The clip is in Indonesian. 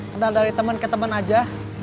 kenal dari teman ke temen aja